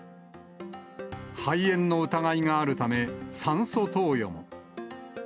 肺炎の疑いがあるため、酸素投与も。